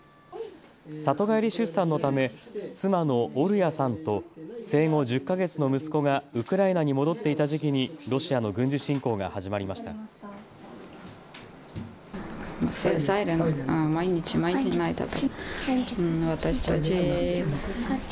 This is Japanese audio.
里帰り出産のため妻のオルヤさんと生後１０か月の息子がウクライナに戻っていた時期にロシアの軍事侵攻が始まりました。